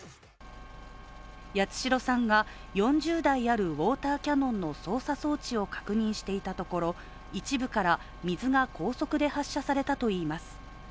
八代さんが４０台あるウォーターキャノンの操作装置を確認していたところ一部から水が高速で発射されたといいます。